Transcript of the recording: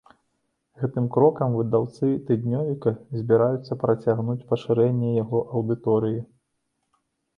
Гэтым крокам выдаўцы тыднёвіка збіраюцца працягнуць пашырэнне яго аўдыторыі.